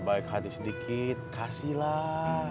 baik hati sedikit kasihlah